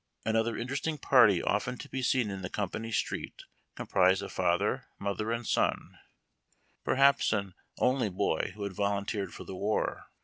Another interesting party often to be seen in the company street comprised a father, motlier, and son, perhaps an only If AW RECliUITS. 213 boy, who had volunteered for the wav.